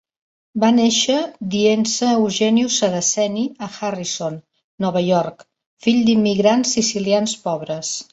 Va néixer dient-se Eugenio Saraceni a Harrison, Nova York, fill d'immigrants sicilians pobres.